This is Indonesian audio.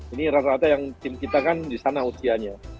ini rata rata yang tim kita kan di sana usianya